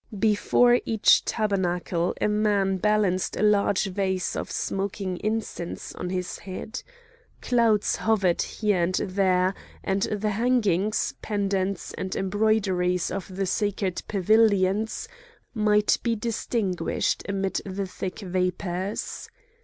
Before each tabernacle a man balanced a large vase of smoking incense on his head. Clouds hovered here and there, and the hangings, pendants, and embroideries of the sacred pavilions might be distinguished amid the thick vapours.